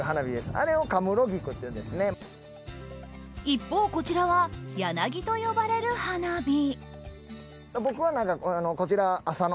一方、こちらは柳と呼ばれる花火。